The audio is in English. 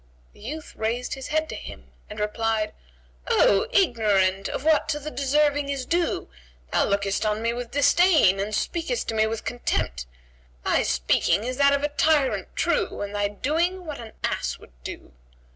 The youth raised his head to him and replied, "O ignorant of what to the deserving is due, thou lookest on me with disdain and speakest to me with contempt; thy speaking is that of a tyrant true and thy doing what an ass would do."